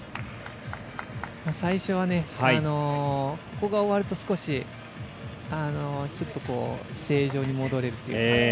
最初は、ここが終わると少し、正常に戻れるというか。